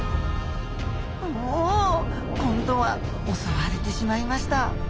お今度は襲われてしまいました。